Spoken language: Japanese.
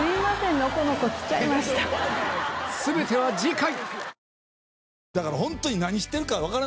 全ては次回！